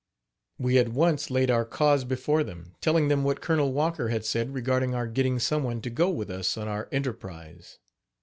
We at once laid our cause before them, telling them what Col. Walker had said regarding our getting some one to go with us on our enterprise.